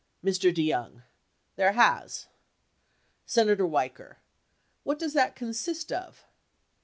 Mr. DeYoung. There has. Senator Weicker. What does that consist of